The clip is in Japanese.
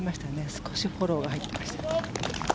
少しフォローが入ってました。